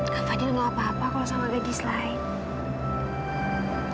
kak fadil gak apa apa kalau sama gadis lain